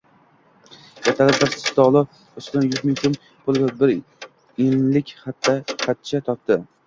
Ertalab dars stoli ustidan yuz ming soʻm pul va bir enlik xatcha topdi.